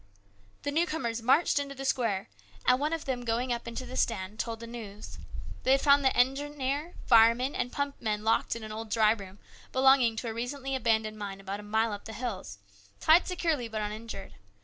The newcomers marched into the square, and one of them going up into the stand, told the news. They had found the engineer, fireman, and pump men locked in an old dry room belonging to a recently abandoned mine about a mile up the hills, A CHANGE. 95 tied securely, but uninjured.